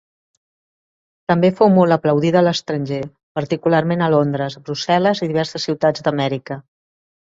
També fou molt aplaudida a l'estranger, particularment a Londres, Brussel·les i diverses ciutats d’Amèrica.